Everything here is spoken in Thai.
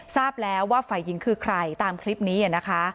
ทราบแล้วว่าฝ่ายหญิงคือใครตามคลิปนี้นะคะ